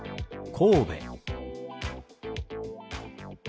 神戸。